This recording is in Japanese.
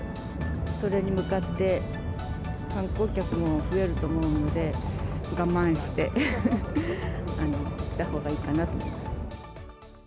それに向かって観光客も増えると思うので、我慢して、したほうがいいかなと。